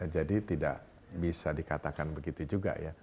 jadi tidak bisa dikatakan begitu jauh